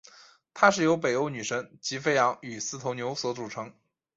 它是由北欧女神吉菲昂与四头牛所组成。